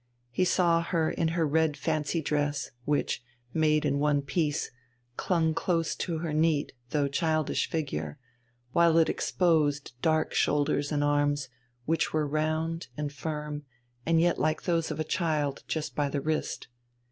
He saw her in her red fancy dress, which, made in one piece, clung close to her neat though childish figure, while it exposed dark shoulders and arms, which were round and firm and yet like those of a child just by the wrist.